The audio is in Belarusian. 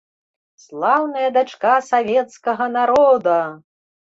Слаўная дачка савецкага народа!